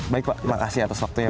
baik pak makasih atas waktunya